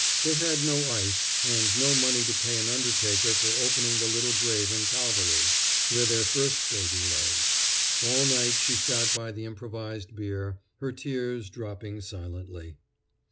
They had no ice, and no money to pay an undertaker for opening the little grave in Calvary, where their first baby lay. All night she sat by the improvised bier, her tears dropping silently.